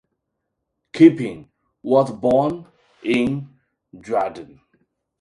Kipping was born in Dresden.